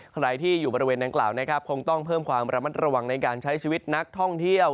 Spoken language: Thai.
ใครที่อยู่บริเวณดังกล่าวนะครับคงต้องเพิ่มความระมัดระวังในการใช้ชีวิตนักท่องเที่ยว